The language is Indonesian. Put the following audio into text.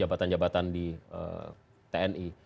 jabatan jabatan di tni